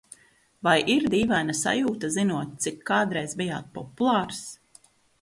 Vai ir dīvaina sajūta, zinot, cik kādreiz bijāt populārs?